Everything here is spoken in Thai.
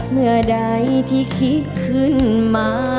เมื่อใดที่คิดขึ้นมา